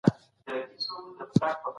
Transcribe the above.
حکومت خلګ په چل او ول ساتي.